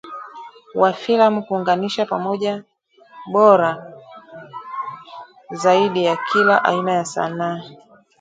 wa filamu kuunganisha pamoja bora zaidi ya kila aina ya sanaa